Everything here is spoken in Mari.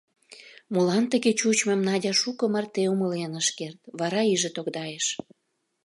Молан тыге чучмым Надя шуко марте умылен ыш керт, вара иже тогдайыш.